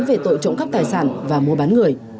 về tội trộm cắp tài sản và mua bán người